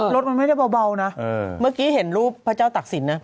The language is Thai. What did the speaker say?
รถมันไม่ได้เบานะเมื่อกี้เห็นรูปพระเจ้าตักศิลปนะ